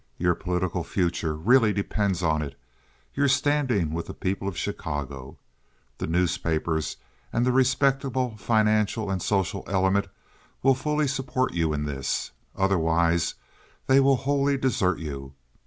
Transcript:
Your political future really depends on it—your standing with the people of Chicago. The newspapers and the respectable financial and social elements will fully support you in this. Otherwise they will wholly desert you.